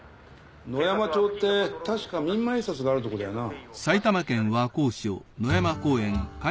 野山町ってたしか三馬印刷があるとこだよなぁ。